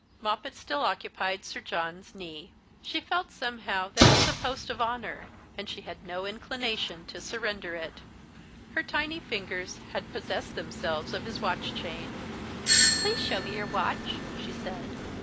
Moppet still occupied Sir John's knee. She felt some how that it was a post of honour, and she had no inclination to surrender it. Her tiny lingers had possessed themselves of liis watch chain. "Please show me your watch," she said.